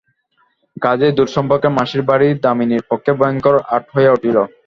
কাজেই দূর সম্পর্কের মাসির বাড়ি দামিনীর পক্ষে ভয়ংকর আঁট হইয়া উঠিল।